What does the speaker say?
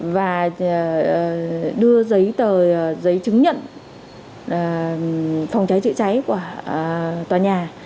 và đưa giấy tờ giấy chứng nhận phòng cháy chữa cháy của tòa nhà